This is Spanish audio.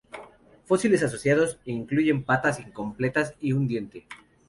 Fósiles asociados incluyen patas incompletas y un diente.